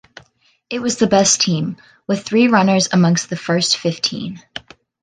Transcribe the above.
It was the best team, with three runners amongst the first fifteen.